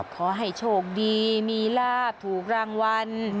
ขอให้โชคดีมีลาบถูกรางวัล